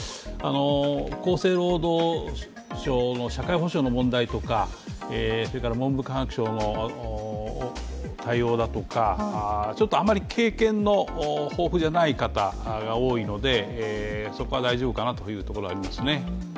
厚生労働省の社会保障の問題とか文部科学省の対応だとかちょっとあまり経験の豊富じゃない方が多いので、そこは大丈夫かなというところがありますね。